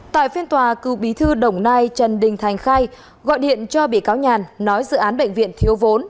tại phiên tòa cựu bí thư đồng nai trần đình thành khai gọi điện cho bị cáo nhàn nói dự án bệnh viện thiếu vốn